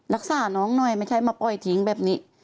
รักษาน้องหน่อยไม่ใช่มาปล่อยทิ้งแบบนี้